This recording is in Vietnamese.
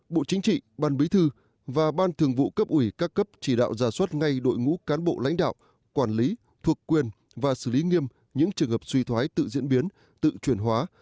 bộ chính trị ban bí thư và ban thường vụ cấp ủy các cấp chỉ đạo giả soát ngay đội ngũ cán bộ lãnh đạo quản lý thuộc quyền và xử lý nghiêm những trường hợp suy thoái tự diễn biến tự chuyển hóa